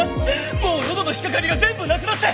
もう喉の引っかかりが全部なくなって！